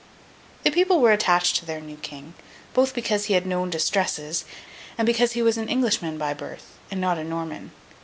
The people were attached to their new King, both because he had known distresses, and because he was an Englishman by birth and not a Norman.